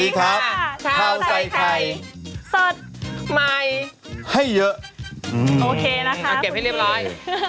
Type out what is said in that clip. เอาเก็บให้เรียบร้อย